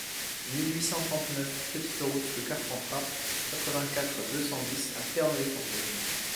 mille huit cent trente-neuf petite Route de Carpentras, quatre-vingt-quatre, deux cent dix à Pernes-les-Fontaines